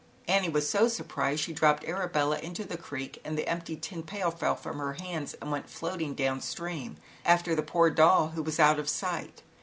Annie was so surprised she dropped Arabella into the creek and the empty tin pail fell from her hands and went floating down stream after the poor doll, who was soon out of sight.